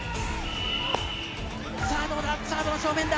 さあ、どうだ、サード正面だ。